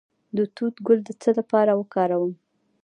د توت ګل د څه لپاره وکاروم؟